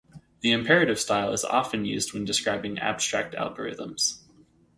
The imperative style is often used when describing abstract algorithms.